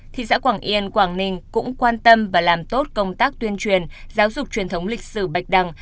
thị xã quảng yên quảng ninh cũng quan tâm và làm tốt công tác tuyên truyền giáo dục truyền thống lịch sử bạch đằng